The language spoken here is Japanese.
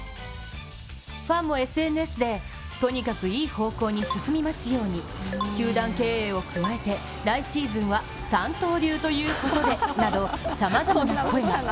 ファンもＳＮＳで、とにかくいい方向に進みますように、球団経営を加えて、来シーズンは三刀流ということでなどさまざまな声が。